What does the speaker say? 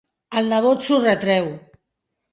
El nebot s'ho retreu.